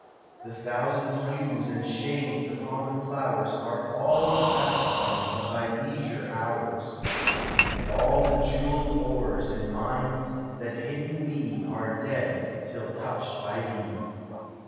The thousand hues and shades upon the flowers Are all the pastime of thy leisure hours; And all the jewelled ores in mines that hidden be Are dead till touched by thee.